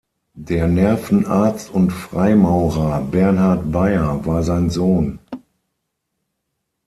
Der Nervenarzt und Freimaurer Bernhard Beyer war sein Sohn.